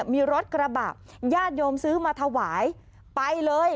มีรถกระบะญาติโยมซื้อมาถวายไปเลย